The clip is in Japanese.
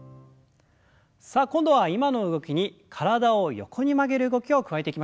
さあ今度は今の動きに体を横に曲げる動きを加えていきましょう。